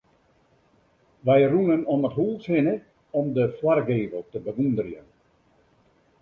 Wy rûnen om it hûs hinne om de foargevel te bewûnderjen.